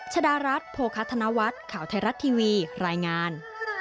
ชดารัฐโภคธนวัฒน์ข่าวไทยรัฐทีวีรายงาน